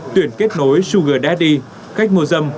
tuyển kết nối sugar daddy cách mua dâm